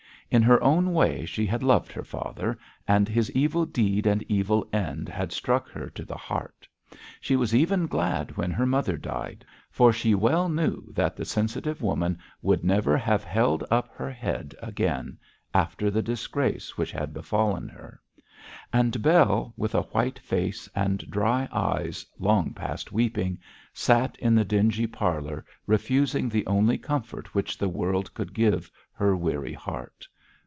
In her own way she had loved her father, and his evil deed and evil end had struck her to the heart. She was even glad when her mother died, for she well knew that the sensitive woman would never have held up her head again, after the disgrace which had befallen her. And Bell, with a white face and dry eyes, long past weeping, sat in the dingy parlour, refusing the only comfort which the world could give her weary heart.